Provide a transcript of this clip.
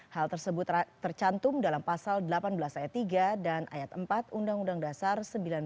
hal tersebut tercantum dalam pasal delapan belas ayat tiga dan ayat empat undang undang dasar seribu sembilan ratus empat puluh lima